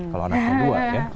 kalau anaknya dua ya